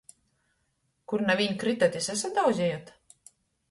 Kur naviņ krytot i sasadauzejot?